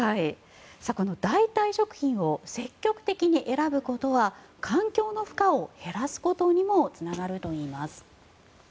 この代替食品を積極的に選ぶことは環境の負荷を減らすことにもつながるといいます。